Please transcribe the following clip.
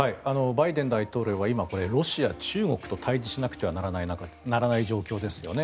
バイデン大統領は今、ロシア、中国と対峙しなくてはならない状況ですよね。